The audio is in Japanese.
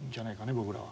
僕らは。